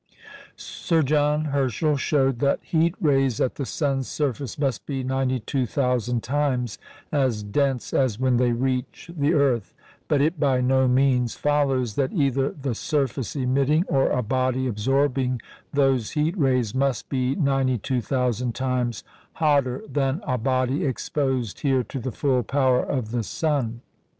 Sir John Herschel showed that heat rays at the sun's surface must be 92,000 times as dense as when they reach the earth; but it by no means follows that either the surface emitting, or a body absorbing those heat rays must be 92,000 times hotter than a body exposed here to the full power of the sun.